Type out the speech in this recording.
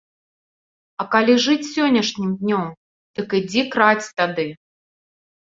А калі жыць сённяшнім днём, дык ідзі крадзь тады!